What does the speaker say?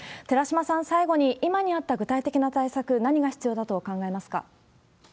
寺嶋さん、最後に、今に合った具体的な対策、何が必要だと考えますか？